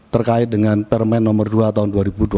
terkait dengan permen nomor dua tahun dua ribu dua puluh